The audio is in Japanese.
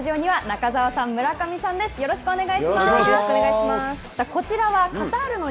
はい。